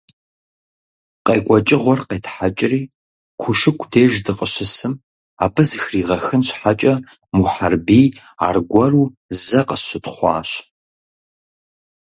КъекӀуэкӀыгъуэр къетхьэкӀри, Кушыку деж дыкъыщысым, абы зэхригъэхын щхьэкӀэ, Мухьэрбий аргуэру зэ къысщытхъуащ.